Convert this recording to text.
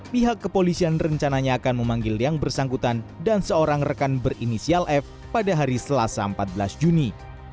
pihak kepolisian rencananya akan memanggil yang bersangkutan dan seorang rekan berinisial f pada hari selasa empat belas juni